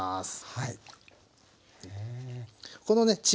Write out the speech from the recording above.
はい。